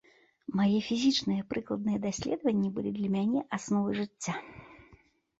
Мае фізічныя прыкладныя даследаванні былі для мне асновай жыцця.